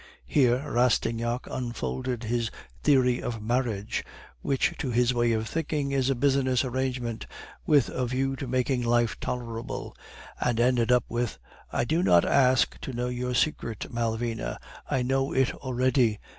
Here Rastignac unfolded his theory of marriage, which to his way of thinking is a business arrangement, with a view to making life tolerable; and ended up with, 'I do not ask to know your secret, Malvina; I know it already.